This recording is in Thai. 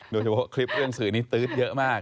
โดยเฉพาะคลิปเรื่องสื่อนี้ตื๊ดเยอะมาก